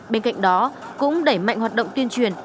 bên cạnh đó cũng đẩy mạnh hoạt động tuyên truyền